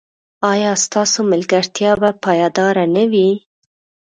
ایا ستاسو ملګرتیا به پایداره نه وي؟